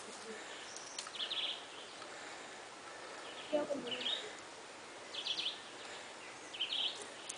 Kukamatwa kwa Che Guevara na baada ya kukamatwa kwake aliuawa kinyama